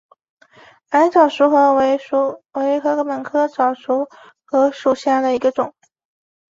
矮早熟禾为禾本科早熟禾属下的一个种。